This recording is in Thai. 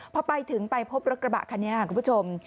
พอไปถึงไปพบรถกระบะคันนี้ค่ะคุณผู้ชม